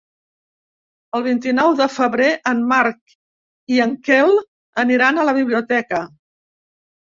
El vint-i-nou de febrer en Marc i en Quel aniran a la biblioteca.